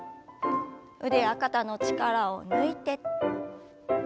腕や肩の力を抜いて。